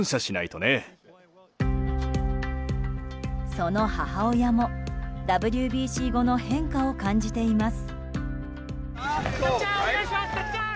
その母親もＷＢＣ後の変化を感じています。